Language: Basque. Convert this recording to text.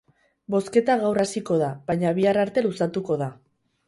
Bozketa gaur hasiko da, baina bihar arte luzatuko da.